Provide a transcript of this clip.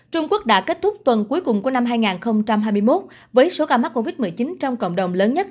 trung quốc đã kết thúc tuần cuối cùng của năm hai nghìn hai mươi một với số ca mắc covid một mươi chín trong cộng đồng lớn nhất